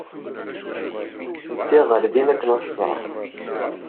Ddiɣ ɣer din akken ad t-ẓreɣ.